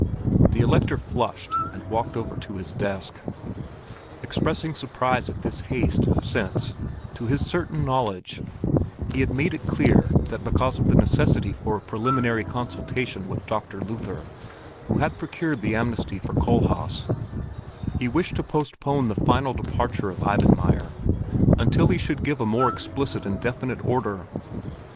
The Elector flushed and walked over to his desk, expressing surprise at this haste, since, to his certain knowledge, he had made it clear that because of the necessity for a preliminary consultation with Dr. Luther, who had procured the amnesty for Kohlhaas, he wished to postpone the final departure of Eibenmaier until he should give a more explicit and definite order.